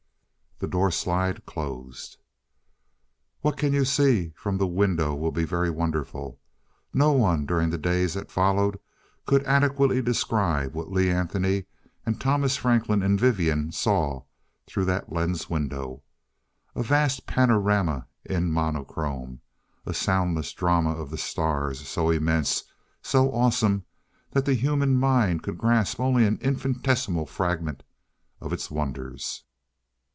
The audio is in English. The doorslide closed.... What you can see from the window will be very wonderful. No one, during the days that followed could adequately describe what Lee Anthony and Thomas Franklin and Vivian saw through that lens window. A vast panorama in monochrome ... a soundless drama of the stars, so immense, so awesome that the human mind could grasp only an infinitesimal fragment of its wonders....